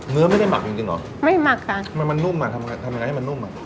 เนื้อไม่ได้หมักจริงจริงเหรอไม่หมักค่ะมันมันนุ่มอ่ะทำยังไงทำยังไงให้มันนุ่มอ่ะ